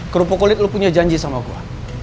kerupuk kulit lu punya janji sama gue